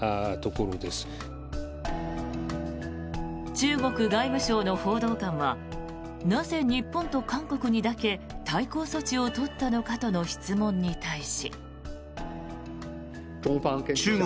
中国外務省の報道官はなぜ日本と韓国にだけ対抗措置を取ったのかとの質問に対し。